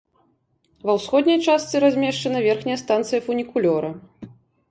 Ва ўсходняй частцы размешчана верхняя станцыя фунікулёра.